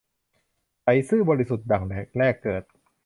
ใสซื่อบริสุทธิ์ดั่งเด็กแรกเกิด